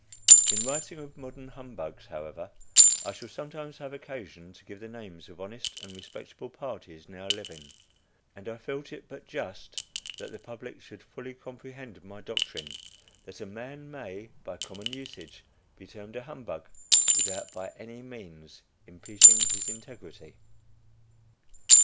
In writing of modern humbugs, however, I shall sometimes have occasion to give the names of honest and respectable parties now living, and I felt it but just that the public should fully comprehend my doctrine, that a man may, by common usage, be termed a "humbug," without by any means impeaching his integrity.